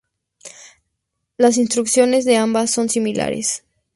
Las introducciones de ambas son similares.